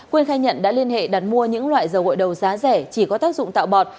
quyên khai nhận đã liên hệ đặt mua những loại dầu gội đầu giá rẻ chỉ có tác dụng tạo bọt